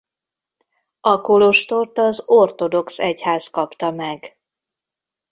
A kolostort az ortodox egyház kapta meg.